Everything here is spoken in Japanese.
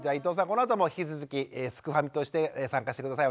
このあとも引き続きすくファミとして参加して下さい。